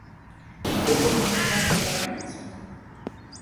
Вы думаеце, на фота раніца?